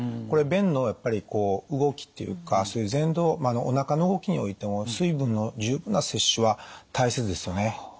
これ便のやっぱり動きっていうかそういうぜんどうおなかの動きにおいても水分の十分な摂取は大切ですよね。